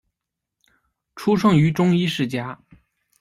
出生于中医世家。